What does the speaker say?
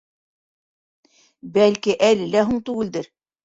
Бәлки, әле лә һуң түгелдер?